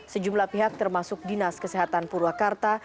sejumlah pihak termasuk dinas kesehatan purwakarta